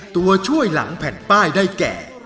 ตัวช่วยหลังแผ่นป้ายได้แก่